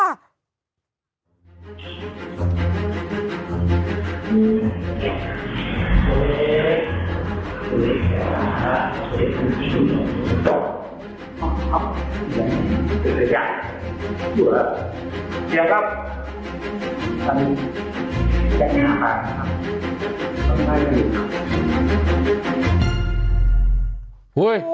อย่างนี้ค่ะต้องการให้ดูค่ะ